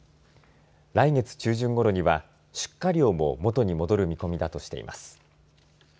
来月中旬ごろには出荷量も元に戻る見込みだとしています。